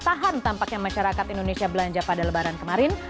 tahan tampaknya masyarakat indonesia belanja pada lebaran kemarin